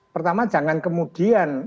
pertama jangan kemudian